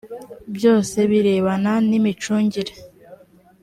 byose birebana n’ imicungire